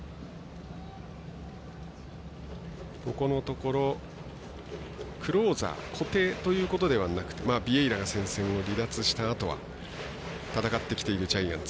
ここのところ、クローザー固定ということではなくてビエイラが戦線を離脱したあとは戦ってきているジャイアンツ。